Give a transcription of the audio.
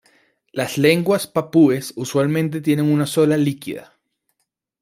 Las lenguas papúes usualmente tienen una sola líquida.